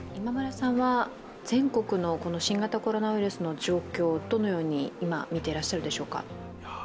全国の新型コロナウイルスの状況、どのようにみてらっしゃるでしょうか？